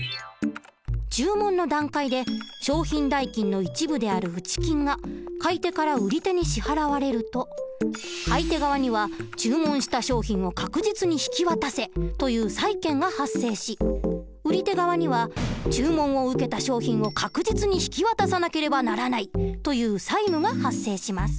注文の段階で商品代金の一部である内金が買い手から売り手に支払われると買い手側には注文した商品を確実に引き渡せという債権が発生し売り手側には注文を受けた商品を確実に引き渡さなければならないという債務が発生します。